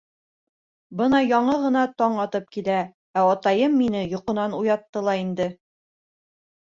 Бына яңы ғына таң атып килә, ә атайым мине йоҡонан уятты ла инде.